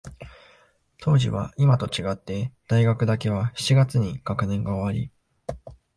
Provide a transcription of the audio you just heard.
当時は、いまと違って、大学だけは七月に学年が終わり、